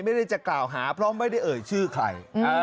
ไม่ได้จะกล่าวหาเพราะไม่ได้เอ่ยชื่อใคร